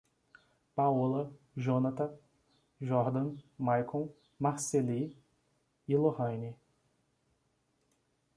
Paola, Jónata, Jordan, Maicon, Marceli e Loraine